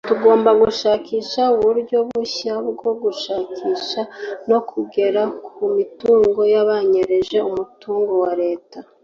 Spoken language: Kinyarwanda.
tugomba gushaka uburyo bushya bwo gushakisha no kugera ku mitungo y’abanyereje umutungo wa Leta